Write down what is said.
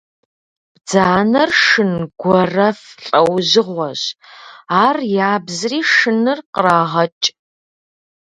Бдзанэр шын, гуэрэф лӏэужьыгъуэщ, ар ябзри шыныр кърагъэкӏ.